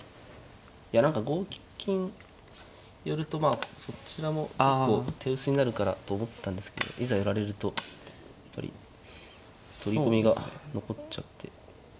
いや何か５九金寄るとまあそちらも結構手薄になるからと思ったんですけどいざ寄られるとやっぱり取り込みが残っちゃって。